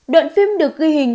đoạn phim được ghi hình